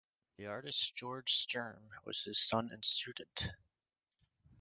The artist Georg Sturm was his son and student.